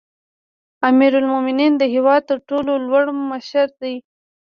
امیرالمؤمنین د هیواد تر ټولو لوړ مشر دی